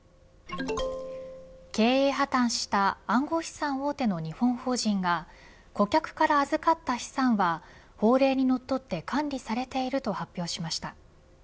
経営破綻した暗号資産大手の日本法人が顧客から預かった資産は法令にのっとって管理されていると発表しました。